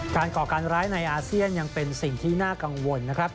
ก่อการร้ายในอาเซียนยังเป็นสิ่งที่น่ากังวลนะครับ